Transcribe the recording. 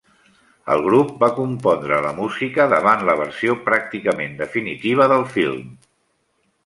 El grup va compondre la música davant la versió pràcticament definitiva del film.